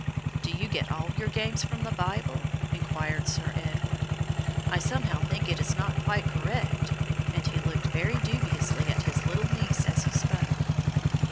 "Do you get all your games from the Bible?" inquired Sir Edward. "I somehow think it is not quite correct," and he looked very dubiously at his little niece as he spoke.